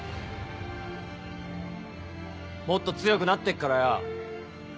もっと強くなってっからよ。